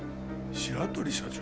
白鳥社長？